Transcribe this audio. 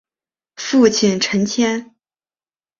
父亲陈谦。